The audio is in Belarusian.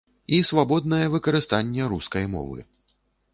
І свабоднае выкарыстанне рускай мовы.